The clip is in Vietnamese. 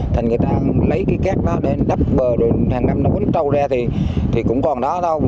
thành người ta lấy cái két đó để đắp bờ rồi hàng năm nó quấn trâu ra thì cũng còn đó thôi